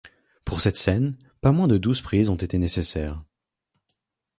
Pour cette scène, pas moins de douze prises ont été nécessaires.